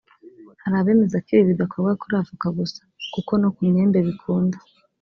Hari abemeza ko ibi bidakorwa kuri avoka gusa kuko no ku myembe bikunda